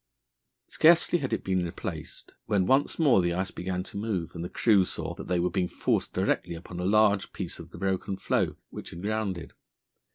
Scarcely had it been replaced when once more the ice began to move, and the crew saw that they were being forced directly upon a large piece of the broken floe which had grounded.